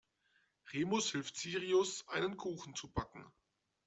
Remus hilft Sirius, einen Kuchen zu backen.